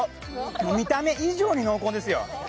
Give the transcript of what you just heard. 見た目以上に濃厚ですよ。